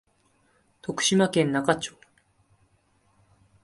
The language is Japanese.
徳島県那賀町